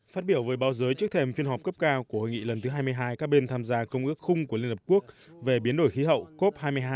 phát biểu với báo giới trước thềm phiên họp cấp cao của hội nghị lần thứ hai mươi hai các bên tham gia công ước khung của liên hợp quốc về biến đổi khí hậu cop hai mươi hai